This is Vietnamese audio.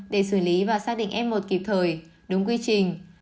để xử lý và xác định em một kịp thời đúng quy trình